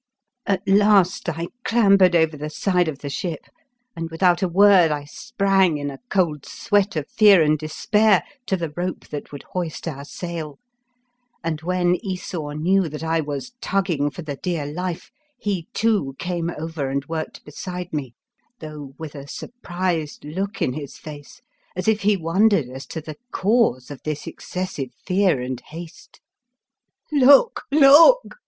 At last I clambered over the side of the ship, and without a word I sprang in a cold sweat of fear and despair to the rope that would hoist our sail, and when Esau knew that I was tugging for the dear life, he, too, came over and worked beside me, though with a surprised look in his face as if he wondered as to the cause of this excessive fear and haste. " Look, look!"